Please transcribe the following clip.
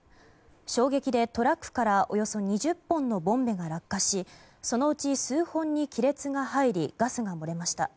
衝撃でトラックからおよそ２０本のボンベが落下しそのうち数本に亀裂が入りガスが漏れました。